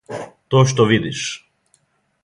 То што видиш.